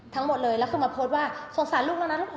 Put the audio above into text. ทั้งหมดเลยแล้วคือมาโพสต์ว่าสงสารลูกแล้วนะลูก